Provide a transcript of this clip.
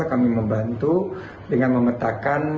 kami membantu dengan memanfaatkan